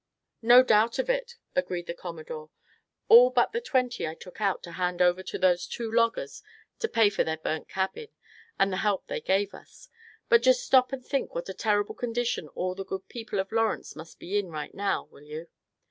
"No doubt of it," agreed the Commodore, "all but the twenty I took out to hand over to those two loggers to pay for their burnt cabin, and the help they gave us. But just stop and think what a terrible condition all the good people of Lawrence must be in right now, will you?